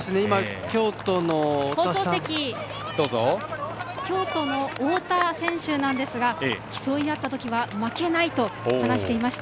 放送席、京都の太田選手ですが競い合った時は負けないと話していました。